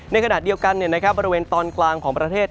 ในขณะเดียวกันบริเวณตอนกลางของประเทศ